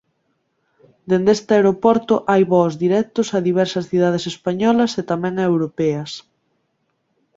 Dende este aeroporto hai voos directos a diversas cidades españolas e tamén a europeas.